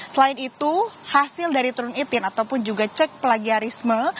selain itu hasil dari turun etin ataupun juga cek plagiarisme